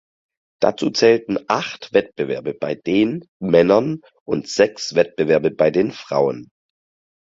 Dazu zählten acht Wettbewerbe bei den Männern und sechs Wettbewerbe bei den Frauen.